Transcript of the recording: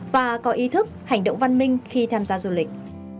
và có ý thức hành động văn minh khi tham gia du lịch